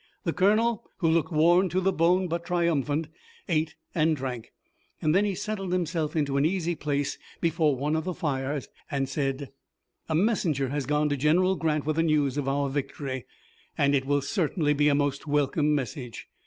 The colonel, who looked worn to the bone but triumphant, ate and drank. Then he settled himself into an easy place before one of the fires and said: "A messenger has gone to General Grant with the news of our victory, and it will certainly be a most welcome message.